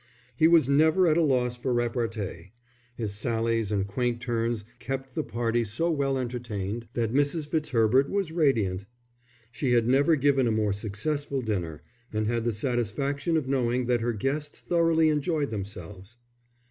He was never at a loss for a repartee; his sallies and quaint turns kept the party so well entertained that Mrs. Fitzherbert was radiant. She had never given a more successful dinner, and had the satisfaction of knowing that her guests thoroughly enjoyed themselves.